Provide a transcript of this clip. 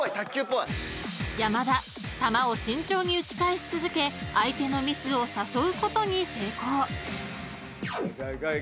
［山田球を慎重に打ち返し続け相手のミスを誘うことに成功］